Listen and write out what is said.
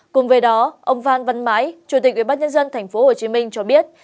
cùng với đó ông phan văn mãi chủ tịch ubnd tp hcm cho biết